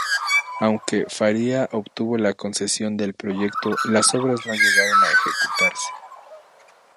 Aunque Faria obtuvo la concesión del proyecto, las obras no llegaron a ejecutarse.